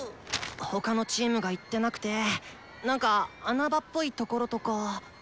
他のチームが行ってなくて何か穴場っぽいところとか。